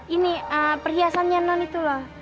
ini perhiasannya non itu